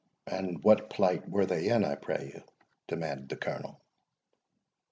"And what plight were they in, I pray you?" demanded the Colonel.